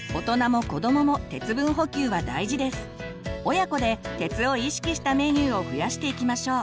親子で鉄を意識したメニューを増やしていきましょう。